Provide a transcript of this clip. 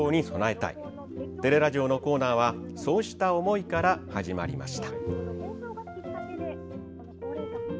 「てれらじお」のコーナーはそうした思いから始まりました。